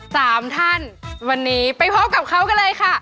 สามท่านวันนี้ไปพบกับเขากันเลยค่ะ